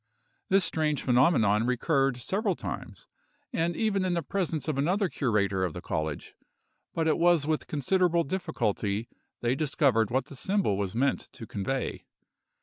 This strange phenomenon recurred several times, and even in the presence of another curator of the college; but it was with considerable difficulty they discovered what the symbol was meant to convey.